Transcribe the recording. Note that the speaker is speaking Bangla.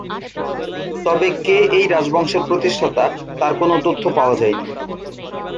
তবে কে এই রাজবংশের প্রতিষ্ঠাতা তার কোন তথ্য পাওয়া যায়নি।